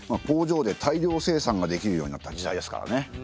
工場で大量生産ができるようになった時代ですからね。